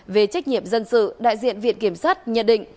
về trách nhiệm dân sự đại diện viện kiểm sát nhận định